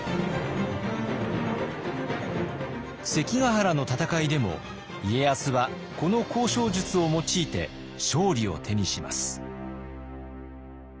関ヶ原の戦いでも家康はこの交渉術を用いて勝利を手にします。